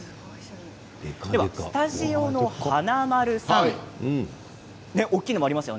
スタジオの華丸さん大きいものもありますよ。